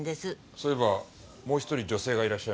そういえばもう１人女性がいらっしゃいましたね。